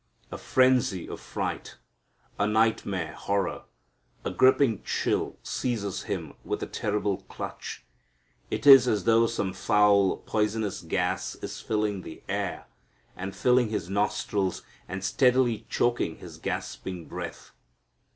A frenzy of fright, a nightmare horror, a gripping chill seizes Him with a terrible clutch. It is as though some foul, poisonous gas is filling the air and filling His nostrils and steadily choking His gasping breath.